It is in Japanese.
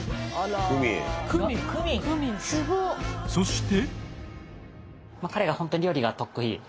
そして。